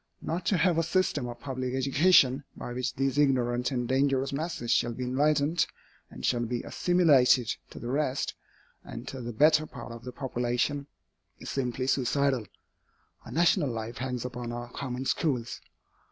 Not to have a system of public education, by which these ignorant and dangerous masses shall be enlightened, and shall be assimilated to the rest, and to the better part, of the population, is simply suicidal. Our national life hangs upon our common schools.